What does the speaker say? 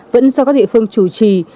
vẫn do các địa phương chủ trì